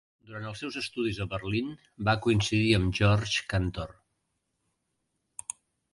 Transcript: Durant els seus estudis a Berlín va coincidir amb Georg Cantor.